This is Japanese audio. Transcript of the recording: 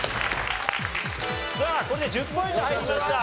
さあこれで１０ポイント入りました。